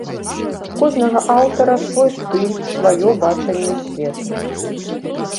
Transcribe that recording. У кожнага аўтара свой стыль, сваё бачанне свету.